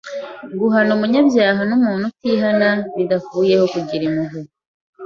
guhana umunyabyaha n’umuntu utihana bidakuyeho kugira impuhwe